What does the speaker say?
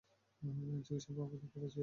চিকিৎসা বাবদ খরচা বেড়েছে।